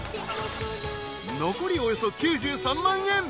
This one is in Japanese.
［残りおよそ９３万円］